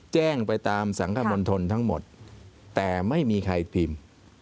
แจ้งไปตามสังคมณฑลทั้งหมดแต่ไม่มีใครพิมพ์